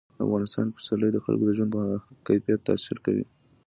په افغانستان کې پسرلی د خلکو د ژوند په کیفیت تاثیر کوي.